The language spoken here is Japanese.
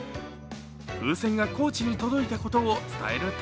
風船が高知に届いたことを伝えると